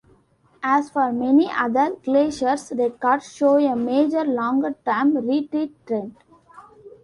As for many other glaciers, records show a major longer-term retreat trend.